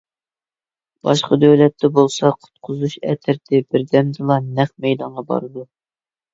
باشقا دۆلەتتە بولسا قۇتقۇزۇش ئەترىتى بىردەمدىلا نەق مەيدانغا بارىدۇ.